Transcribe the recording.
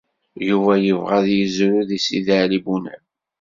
Yuba yebɣa ad yezrew deg Sidi Ɛli Bunab.